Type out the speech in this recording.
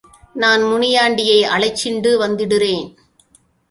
நான் முனியாண்டியை அழைச்சிண்டு வந்திடுறேன்.